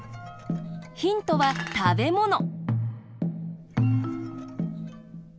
ヒントはたべもの。